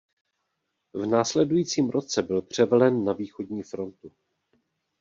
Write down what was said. V následujícím roce byl převelen na Východní frontu.